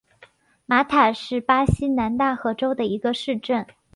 马塔是巴西南大河州的一个市镇。